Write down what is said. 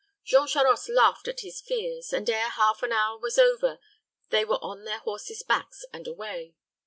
Jean Charost laughed at his fears, and ere half an hour was over they were on their horses' backs and away.